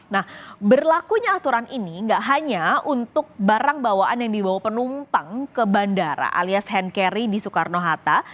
nah berlakunya aturan ini tidak hanya untuk barang bawaan yang dibawa penumpang ke bandara alias hand carry di soekarno hatta